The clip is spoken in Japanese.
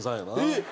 えっ！？